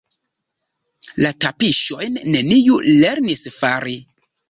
La tapiŝojn neniu lernis fari.